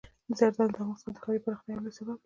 زردالو د افغانستان د ښاري پراختیا یو لوی سبب کېږي.